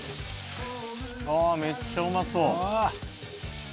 ああめっちゃうまそう。